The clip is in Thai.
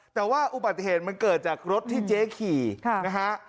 แต่ว่าอุบัติเหตุมันเกิดจากรถที่เจ๊ขี่นะฮะ